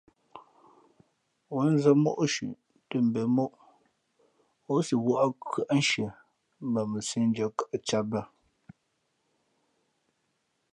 Wěn nzᾱ mǒ shʉ̄ tᾱ mbēn moʼ, ǒ si wᾱʼ khʉάnshie mbα mα sīēndʉ̄ᾱ kαʼ cāt bᾱ.